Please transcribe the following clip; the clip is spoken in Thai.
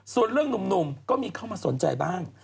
ส่วนเรื่องหนุ่มก็มีเข้ามาสนใจบ้าง